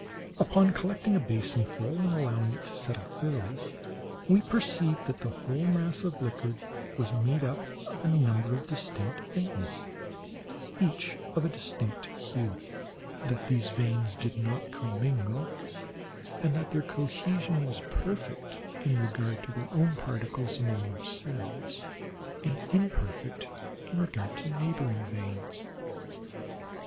Upon collecting a basinful, and allowing it to settle thoroughly, we perceived that the whole mass of liquid was made up of a number of distinct veins, each of a distinct hue; that these veins did not commingle; and that their cohesion was perfect in regard to their own particles among themselves, and imperfect in regard to neighbouring veins.